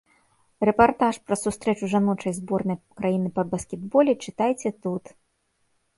Рэпартаж пра сустрэчу жаночай зборнай краіны па баскетболе чытайце тут.